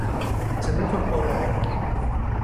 ฉันเป็นคนโปแลนด์